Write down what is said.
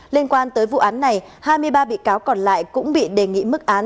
liên quan tới vụ án này hai mươi ba bị cáo còn lại cũng bị đề nghị mức án